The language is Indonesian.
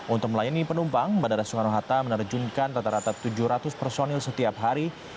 untuk melayani penumpang bandara soekarno hatta menerjunkan rata rata tujuh ratus personil setiap hari